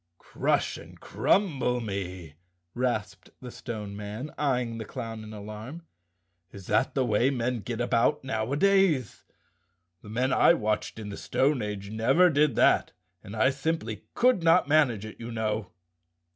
"Crush and crumble me!" rasped the Stone Man, eying the clown in alarm, "is that the way men get about nowdays? The men I watched in the stone age never did that and I simply could not manage it, you know."